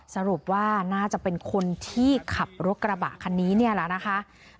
สรุปว่าน่าจะเป็นคนที่ขับรถกระบะคันนี้เนี่ยแล้วนะคะ